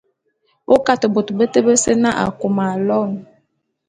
O Kate bôt beté bese na Akôma aloene.